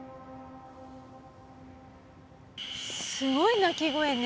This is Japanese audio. すごい鳴き声ね。